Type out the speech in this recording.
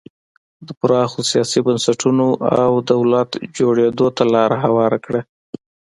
د پراخو سیاسي بنسټونو او دولت جوړېدو ته لار هواره کړه.